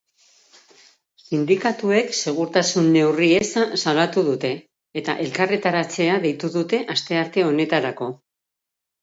Sindikatuek segurtasun neurri eza salatu dute, eta elkarretaratzea deitu dute astearte honetarako.